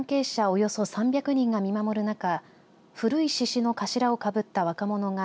およそ３００人が見守る中古い獅子の頭をかぶった若者が